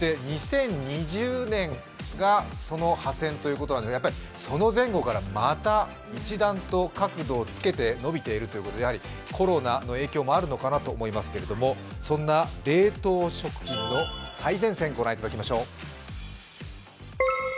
２０２０年がその破線ということはやっぱりその前後からまた一段と角度をつけて伸びているということで、やはりコロナの影響もあるのかなと思いますけれども、そんな冷凍食品の最前線をご覧いただきましょう。